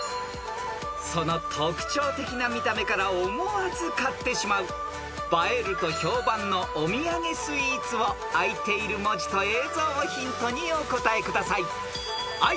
［その特徴的な見た目から思わず買ってしまう映えると評判のお土産スイーツを開いている文字と映像をヒントにお答えください］